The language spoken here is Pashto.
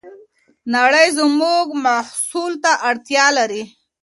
نړۍ زموږ محصول ته اړتیا لري.